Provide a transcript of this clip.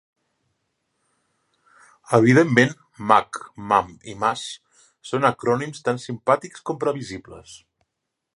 Evidentment "Mag", "Mam" i "Mas" són acrònims tan simpàtics com previsibles.